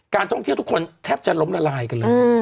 ท่องเที่ยวทุกคนแทบจะล้มละลายกันเลย